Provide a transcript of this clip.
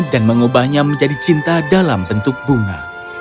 dan mengubahnya menjadi cinta dalam bentuk bunga